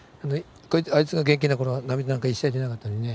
あいつが元気な頃は涙なんか一切出なかったのにね。